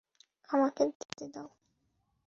আমাকে দেখতে দাও।